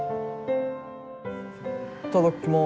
いっただっきます。